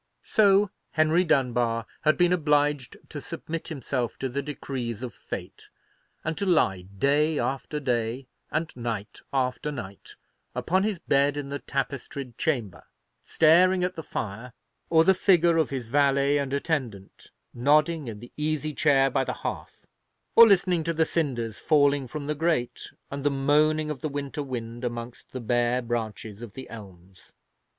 So Henry Dunbar had been obliged to submit himself to the decrees of Fate, and to lie day after day, and night after night, upon his bed in the tapestried chamber, staring at the fire, or the figure of his valet and attendant; nodding in the easy chair by the hearth; or listening to the cinders falling from the grate, and the moaning of the winter wind amongst the bare branches of the elms.